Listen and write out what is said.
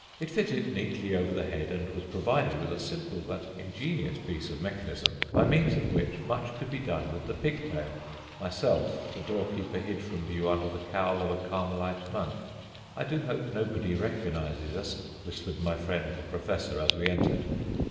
It fitted neatly over the head, and was provided with a simple but ingenious piece of mechanism by means of which much could be done with the pigtail. Myself the doorkeeper hid from view under the cowl of a Carmelite monk. "I do hope nobody recognises us," whispered my friend the professor as we entered.